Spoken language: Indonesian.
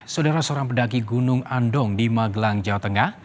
saudara seorang pendaki gunung andong di magelang jawa tengah